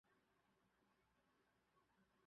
He was the longest reigning Muslim ruler.